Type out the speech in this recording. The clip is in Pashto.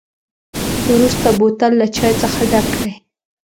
وروسته بوتل له چای څخه ډک کړئ.